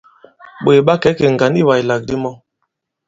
Ɓòt ɓa kɛ̀ ikè ŋgǎn iwàslàgàdi mɔ.